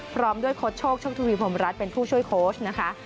พร้อมด้วยโค้ชโชคโชคทวีพรมรัฐเป็นผู้ช่วยโค้ชนะคะ